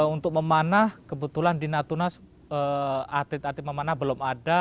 untuk memanah kebetulan di natuna atlet atlet memanah belum ada